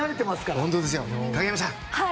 影山さん。